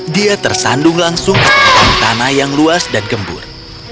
dia tersandung langsung ke hutan tanah yang luas dan gembur